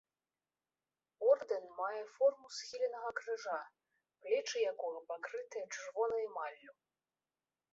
Ордэн мае форму схіленага крыжа, плечы якога пакрытыя чырвонай эмаллю.